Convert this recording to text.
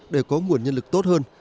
để có nguồn nhân lực tốt hơn